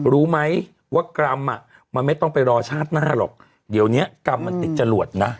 รู้ไหมว่ากรรมอ่ะมันไม่ต้องไปรอชาติหน้าหรอกเดี๋ยวนี้กรรมมันติดจรวดนะ